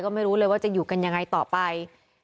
ไม่รู้เลยว่าจะอยู่กันยังไงต่อไป